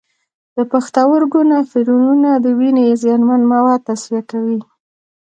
د پښتورګو نفرونونه د وینې زیانمن مواد تصفیه کوي.